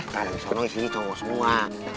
kalian disana sih cowok semua